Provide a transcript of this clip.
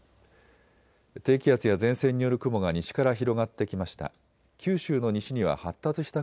低気圧や前線による雲が西から広がってきました。